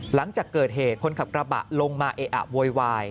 หลังจากเกิดเหตุคนขับกระบะลงมาเออะโวยวาย